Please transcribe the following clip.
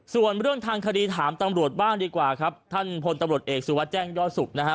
ส่วนเรื่องทางคดีถามตำรวจบ้างดีกว่าครับท่านพลตำรวจเอกสุวัสดิแจ้งยอดสุขนะฮะ